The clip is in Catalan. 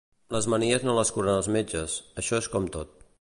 Les manies no les curen els metges, això és com tot.